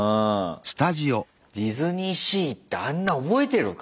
ディズニーシー行ってあんな覚えてるか？